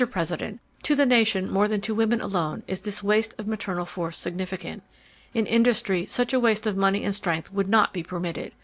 President, to the nation more than to women alone is this waste of maternal force significant. In industry such a waste of money and strength would not be permitted.